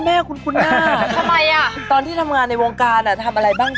แล้วร์ตอนที่ทำงานในวงการทำอะไรบ้าง